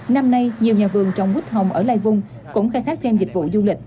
năm nay nhiều nhà vườn trồng quýt hồng ở lai vung cũng khai thác thêm dịch vụ du lịch